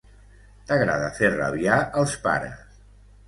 T'agrada fer rabiar els pares.